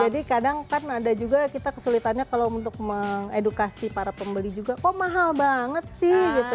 jadi kadang kan ada juga kita kesulitannya kalau untuk mengedukasi para pembeli juga kok mahal banget sih gitu